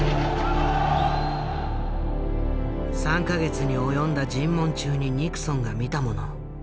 ３か月に及んだ尋問中にニクソンが見たもの。